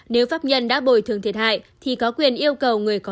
nếu pháp nhân đã bồi thường thiệt hại thì có quyền yêu cầu người có